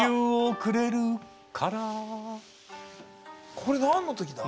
これ何の時だ？